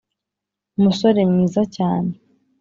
musore mwiza cyane